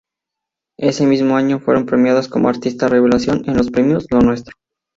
Ese mismo año fueron premiadas como "Artista revelación" en los Premios Lo Nuestro.